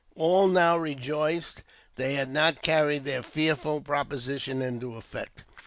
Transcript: " All now rejoiced that they had not carried their fearful proposition into effect.